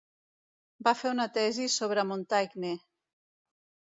Va fer una tesi sobre Montaigne.